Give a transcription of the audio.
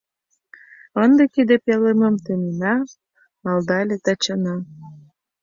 — Ынде тиде пӧлемым темена, — малдале Тачана.